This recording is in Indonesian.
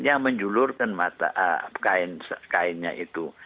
yang menjulurkan kainnya itu